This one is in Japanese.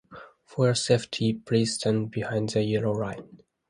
For your safety, please stand behind the yellow line.